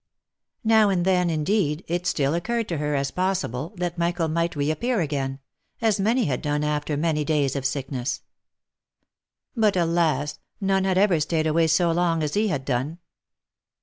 Now and then, indeed, it still occurred to her as possible that Michael might reappear again, as many had done after many days of sickness ; but, alas ! none had ever staid away so long as he had done